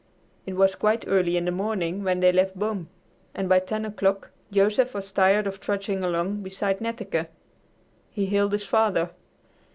It was quite early in the morning when they left Boom, and by ten o'clock Joseph was tired of trudging along beside Netteke. He hailed his father.